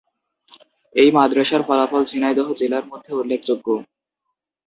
এই মাদ্রাসার ফলাফল ঝিনাইদহ জেলার মধ্যে উল্লেখযোগ্য।